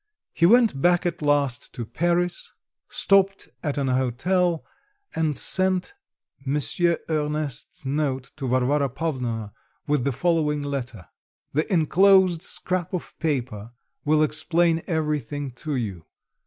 He went back at last to Paris, stopped at an hotel and sent M. Ernest's note to Varvara Pavlovna with the following letter: "The enclosed scrap of paper will explain everything to you.